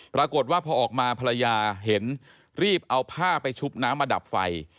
ปรากฏว่าพอออกมาภรรยาเห็นรีบเอาผ้าไปชุบน้ำมาดับไฟ